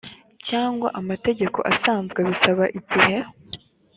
cyangwa amategeko asanzwe bisaba igihe